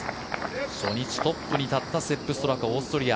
初日トップに立ったセップ・ストラカオーストリア。